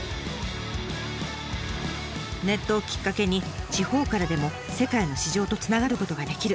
ネットをきっかけに地方からでも世界の市場とつながることができる。